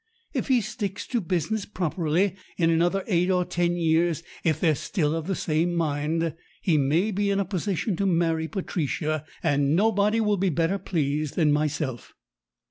If he sticks to business properly, in another eight or ten years if they're still of the same mind he may be in a position to marry Patricia, and nobody will be better pleased than myself.